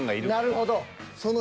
なるほど。